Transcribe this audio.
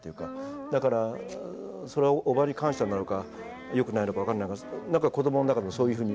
だからそれはおばに感謝なのか良くないのか分かんないが子供の中でもそういうふうに。